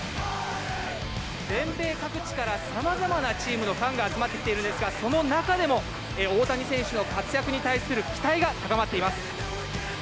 全米各地からさまざまなチームのファンが集まってきているんですが、その中でも、大谷選手の活躍に対する期待が高まっています。